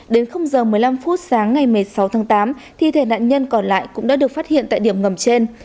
đến giờ một mươi năm phút sáng ngày một mươi sáu tháng tám thi thể nạn nhân còn lại cũng đã được phát hiện tại điểm ngầm trên